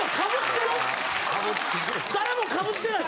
誰も被ってない。